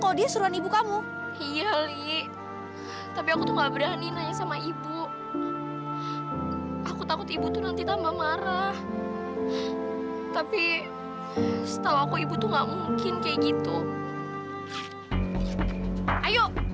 jadi kamu gak perlu kerja